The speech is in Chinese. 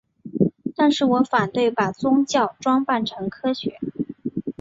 但是我反对把宗教装扮成科学。